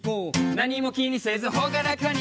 「何も気にせず朗らかに」